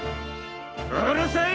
うるさい！